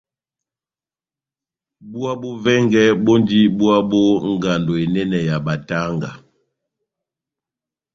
Búwa bó vɛngɛ bondi búwa bó ngando enɛnɛ ya batanga.